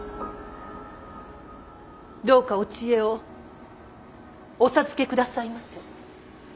どうかお知恵をお授けくださいませ。